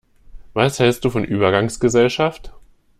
Was hälst du von Übergangsgesellschaft?